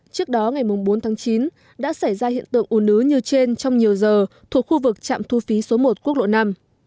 trước đó ngày bốn tháng chín đã xảy ra hiện tượng ủ nứ như trên trong nhiều giờ thuộc khu vực trạm thu phí số một quốc lộ năm